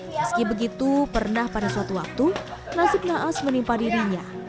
meski begitu pernah pada suatu waktu nasib naas menimpa dirinya